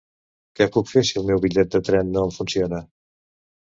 Què puc fer si el meu bitllet de tren no em funciona?